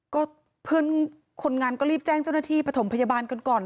ก็เพื่อนคนงานก็รีบแจ้งเจ้าหน้าที่ประถมพยาบาลกันก่อน